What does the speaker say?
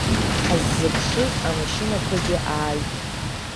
Ҳаззыԥшыз амашьынақәагьы ааит.